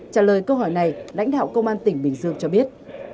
trả lời câu hỏi này lãnh đạo công an tỉnh bình dương cho biết